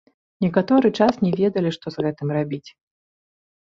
Некаторы час не ведалі, што з гэтым рабіць.